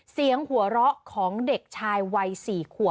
เสียงหัวเราะของเด็กชายวัย๔ขวบ